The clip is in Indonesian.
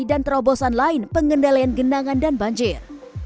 dan terobosan lain pengendalian genangan dan banjir